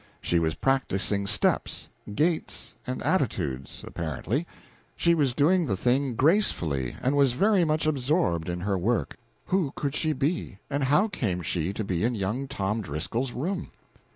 She was practising steps, gaits and attitudes, apparently; she was doing the thing gracefully, and was very much absorbed in her work. Who could she be, and how came she to be in young Tom Driscoll's room?